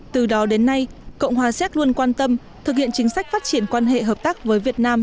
từ đó đến nay cộng hòa xéc luôn quan tâm thực hiện chính sách phát triển quan hệ hợp tác với việt nam